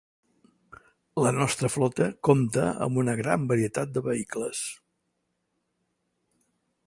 La nostra flota compta amb una gran varietat de vehicles.